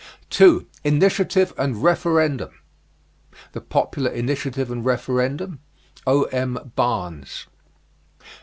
2. INITIATIVE AND REFERENDUM. "The Popular Initiative and Referendum," O.M. Barnes.